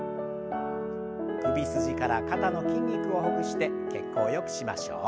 首筋から肩の筋肉をほぐして血行をよくしましょう。